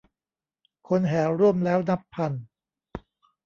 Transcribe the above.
คนแห่ร่วมแล้วนับพัน